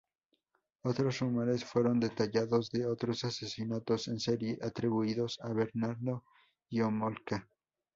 Otros rumores fueron detalles de otros asesinatos en serie atribuidos a Bernardo y Homolka.